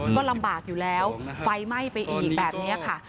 ก็ลำบากอยู่แล้วไฟไหม้ไปอีกแบบนี้ค่ะ